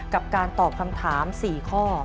กับการตอบคำถาม๔ข้อ